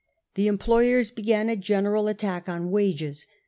The employers began a general r attack on wages.